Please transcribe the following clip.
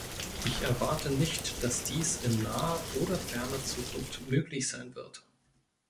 Ich erwarte nicht, dass dies in naher oder ferner Zukunft möglich sein wird.